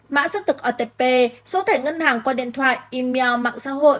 mã sức tực otp số thể ngân hàng qua điện thoại email mạng xã hội